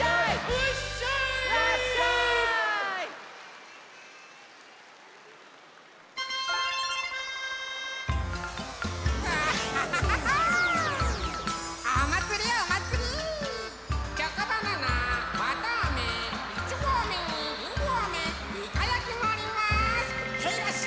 へいいらっしゃい！